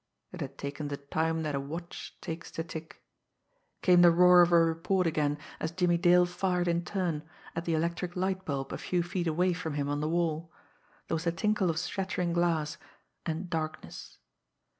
It had taken the time that a watch takes to tick. Came the roar of a report again, as Jimmie Dale fired in turn at the electric light bulb a few feet away from him on the wall. There was the tinkle of shattering glass and darkness.